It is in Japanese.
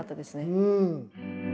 うん！